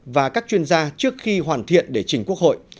và các chuyên gia trước khi hoàn thiện để trình quốc hội